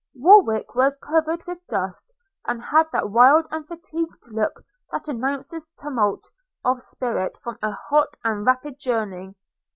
Warwick was covered with dust, and had that wild and fatigued look that announces tumult of spirit from an hot and rapid journey.